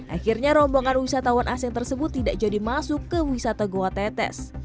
akhirnya rombongan wisatawan asing tersebut tidak jadi masuk ke wisata goa tetes